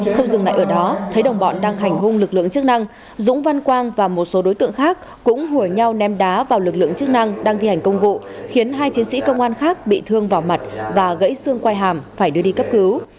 không dừng lại ở đó thấy đồng bọn đang hành hung lực lượng chức năng dũng văn quang và một số đối tượng khác cũng hủy nhau ném đá vào lực lượng chức năng đang thi hành công vụ khiến hai chiến sĩ công an khác bị thương vào mặt và gãy xương quay hàm phải đưa đi cấp cứu